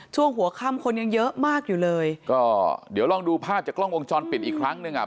ช่วงหัวค่ำคนยังเยอะมากอยู่เลยก็เดี๋ยวลองดูภาพจากกล้องวงจรปิดอีกครั้งหนึ่งอ่ะ